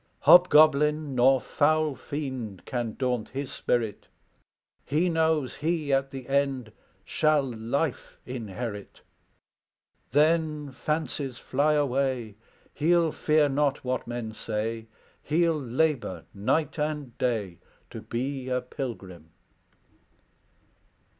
"Hobgoblin nor foul fiend Can daunt his spirit; He knows he at the end Shall life inherit. Then, fancies fly away, He'll fear not what men say; He'll labor night and day To be a pilgrim."